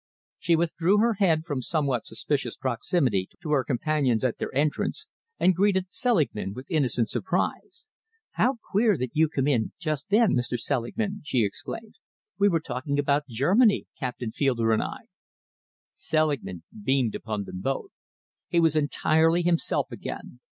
She withdrew her head from somewhat suspicious proximity to her companion's at their entrance and greeted Selingman with innocent surprise. "How queer that you should come in just then, Mr. Selingman!" she exclaimed. "We were talking about Germany, Captain Fielder and I." Selingman beamed upon them both. He was entirely himself again.